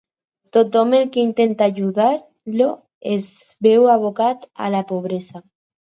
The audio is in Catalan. Tothom el que intenta ajudar-lo es veu abocat a la pobresa.